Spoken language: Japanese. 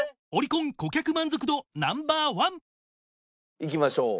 いきましょう。